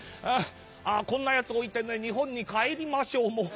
あぁこんな奴置いてね日本に帰りましょうもう」。